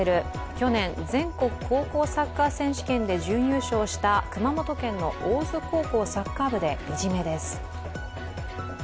去年、全国高校サッカー選手権で準優勝した熊本県の大津高校サッカー部でいじめです。